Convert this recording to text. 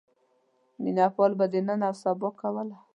مینه پال به نن اوسبا کوله.